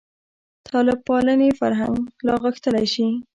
طالب پالنې فرهنګ لا غښتلی شي.